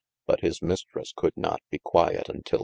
but his Mistres could not be quiet until!